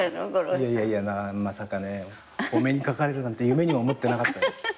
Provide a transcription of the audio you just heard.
いやいやいやまさかねお目にかかれるなんて夢にも思ってなかったです。